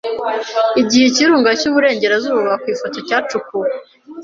Igihe ikirunga cyiburengerazuba ku ifoto cyacukuwe